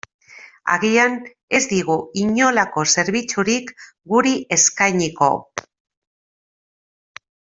Agian, ez digu inolako zerbitzurik guri eskainiko.